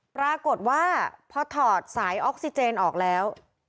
ปรากฏว่าพอถอดสายออกซิเจนออกแล้ว